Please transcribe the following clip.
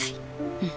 うん。